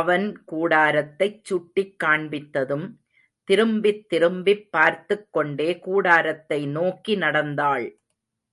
அவன் கூடாரத்தைச் சுட்டிக் காண்பித்ததும், திரும்பித் திரும்பிப் பார்த்துக் கொண்டே கூடாரத்தை நோக்கி நடந்தாள்.